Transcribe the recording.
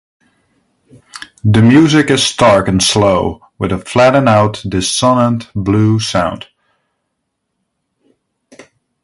The music is stark and slow, with a flattened-out dissonant blues sound.